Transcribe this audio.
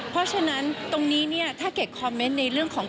เพราะฉะนั้นตรงนี้เนี่ยถ้าเกิดคอมเมนต์ในเรื่องของ